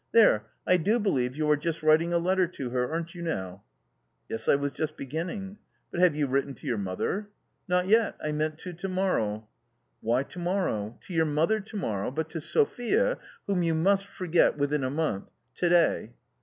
There, I do believe you are just writing a letter to her, aren't you now?" " Yes, I was just beginning." " But have you written to ynnr rqnthpr ?"" Not" yet, 1 me ant to to mo rrow7 " 4 ' W hy to morrow r* To your mother, to morrow, but. to Sophia," Whutil you must forget within a month, to day."